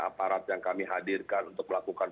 aparat yang kami hadirkan untuk melakukan